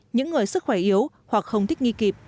những người sức khỏe yếu hoặc không thích nghi kịp